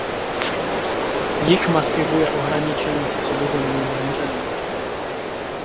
Jih masivu je ohraničen Středozemním mořem.